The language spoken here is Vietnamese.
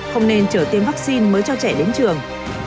không nên trở tiêm vaccine mới cho trẻ đến trường